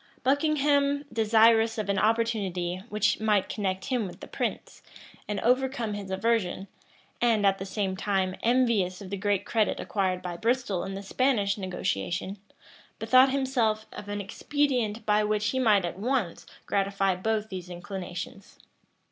Buckingham, desirous of an opportunity which might connect him with the prince, and overcome his aversion, and, at the same time envious of the great credit acquired by Bristol in the Spanish negotiation, bethought himself of an expedient by which he might at once gratify both these inclinations.